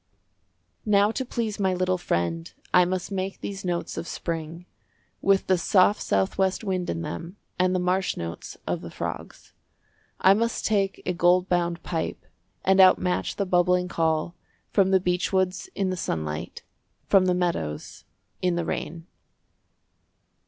Now to please my little friend I must make these notes of spring, With the soft south west wind in them And the marsh notes of the frogs. I must take a gold bound pipe, And outmatch the bubbling call From the beechwoods in the sunlight, From the meadows in the rain.